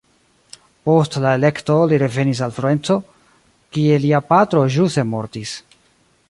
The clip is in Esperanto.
Post la elekto li revenis al Florenco, kie lia patro ĵuse mortis.